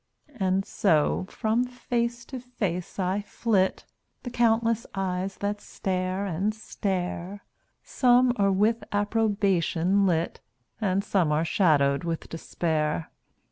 And so from face to face I flit, The countless eyes that stare and stare; Some are with approbation lit, And some are shadowed with despair.